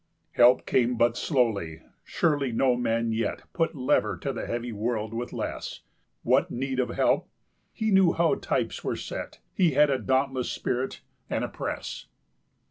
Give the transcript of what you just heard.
Help came but slowly; surely no man yet 5 Put lever to the heavy world with less: What need of help? He knew how types were set, He had a dauntless spirit, and a press.